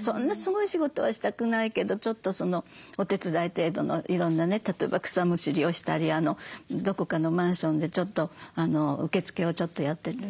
そんなすごい仕事はしたくないけどちょっとお手伝い程度のいろんなね例えば草むしりをしたりどこかのマンションでちょっと受付をやって。